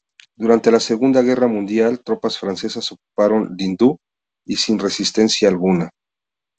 Durante la Segunda Guerra Mundial tropas francesas ocuparon Lindau el sin resistencia alguna.